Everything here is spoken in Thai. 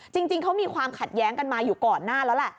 จริงเขามีความขัดแย้งกันมาอยู่ก่อนหน้าแล้วแหละ